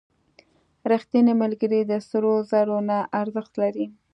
• رښتینی ملګری د سرو زرو نه ارزښت لري.